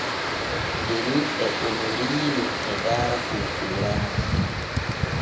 Deni e Onoriini e daara poopooraare.